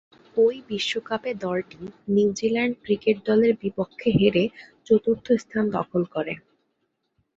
ঐ বিশ্বকাপে দলটি নিউজিল্যান্ড ক্রিকেট দলের বিপক্ষে হেরে চতুর্থ স্থান দখল করে।